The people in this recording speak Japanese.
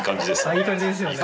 いい感じですよね。